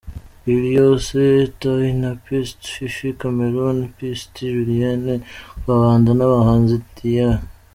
Liliose Tayi na Pst Fifi Cameroon, Pst Julienne Kabanda n’abahanzi Diae.